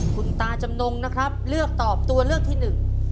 คุณตาจำนงนะครับเลือกตอบตัวเลือกที่หนึ่ง